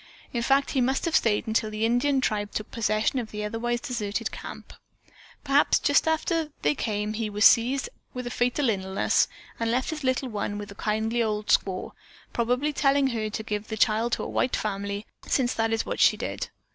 In fact, he must have stayed until the Indian tribe took possession of the otherwise deserted camp. Perhaps just after they came he was seized with a fatal illness and left his little one with the kindly old squaw, probably telling her to give the child to a white family, since that is what she did."